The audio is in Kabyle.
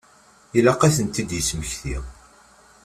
Ilaq ad tent-id-yesmekti.